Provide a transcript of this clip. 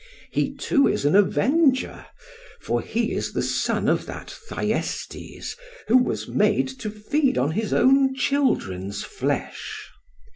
He too is an avenger, for he is the son of that Thyestes who was made to feed on his own children's flesh.